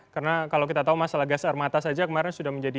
karena kalau kita tahu masalah gas armatas saja kemarin sudah menjadi